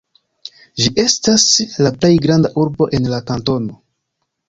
Ĝi estas la plej granda urbo en la kantono.